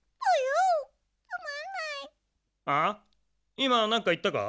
いまなんかいったか？